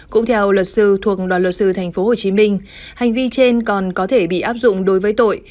cũng theo luật sư thuộc đoàn luật sư tp hcm hành vi trên còn có thể bị áp dụng đối với tội